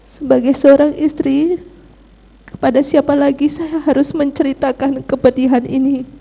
sebagai seorang istri kepada siapa lagi saya harus menceritakan kepedihan ini